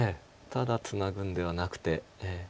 ただツナぐんではなくて。